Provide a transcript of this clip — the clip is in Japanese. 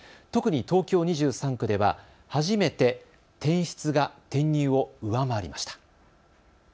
特に東京２３区では初めて転出が転入を上回りました。